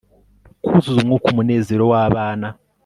kuzuza umwuka umunezero wabana